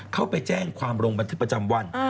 เข้าไปแจ้งความลงบันทึกประจำวัน